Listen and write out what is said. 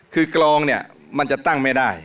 คือกรองเนี่ยมันจะตั้งไม่ได้